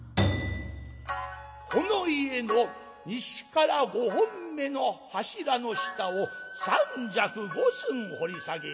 「この家の西から５本目の柱の下を３尺５寸掘り下げよ。